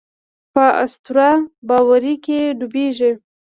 په اسطوره باورۍ کې ډوبېږي.